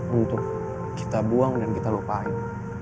untuk kita buang dan kita lupain